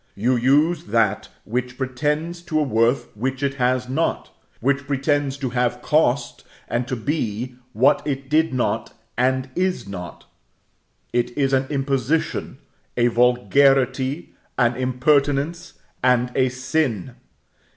You use that which pretends to a worth which it has not; which pretends to have cost, and to be, what it did not, and is not; it is an imposition, a vulgarity, an impertinence, and a sin.